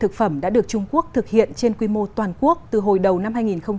thực phẩm đã được trung quốc thực hiện trên quy mô toàn quốc từ hồi đầu năm hai nghìn một mươi chín